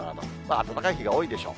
暖かい日が多いでしょう。